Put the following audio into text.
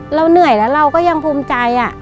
เราเหนื่อยแล้วเราก็ยังภูมิใจ